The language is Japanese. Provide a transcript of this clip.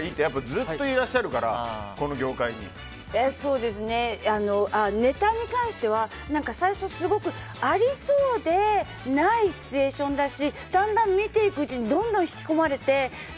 ずっといらっしゃるからネタに関しては最初すごく、ありそうでないシチュエーションだしだんだん見ていくうちにどんどん引き込まれて。